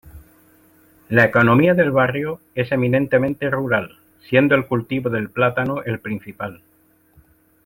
La economía del barrio es eminentemente rural, siendo el cultivo del plátano el principal.